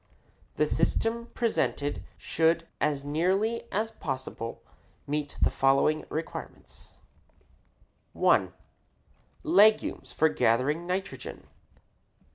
The system presented should as nearly as possible meet the following requirements: 1. Legumes for gathering nitrogen.